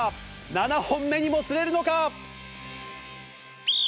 ７本目にもつれるのか？